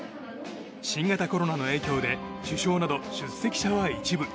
新型コロナの影響で主将など出席者は一部。